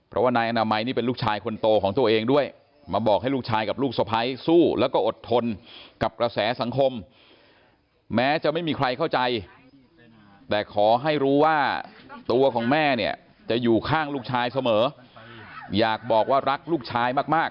รู้แล้วก็อดทนกับกระแสสังคมแม้จะไม่มีใครเข้าใจแต่ขอให้รู้ว่าตัวของแม่เนี้ยจะอยู่ข้างลูกชายเสมออยากบอกว่ารักลูกชายมากมาก